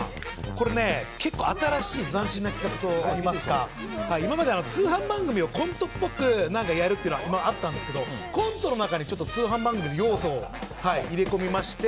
これね、結構新しい斬新な企画と言いますか今まで、通販番組をコントっぽくやるっていうのはあったんですけどコントの中に通販番組の要素を入れ込みまして。